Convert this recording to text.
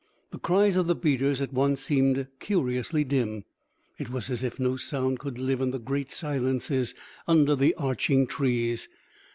The cries of the beaters at once seemed curiously dim. It was as if no sound could live in the great silences under the arching trees.